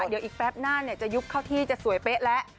เดี๋ยวอีกแป๊บหน้าจะยุบเข้าที่จะสวยเป๊ะแล้ว